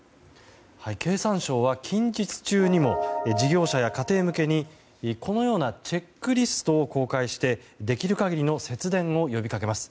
経産省は、近日中にも事業者や家庭向けにこのようなチェックリストを公開してできる限りの節電を呼びかけます。